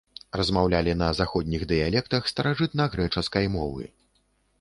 Размаўлялі на заходніх дыялектах старажытнагрэчаскай мовы.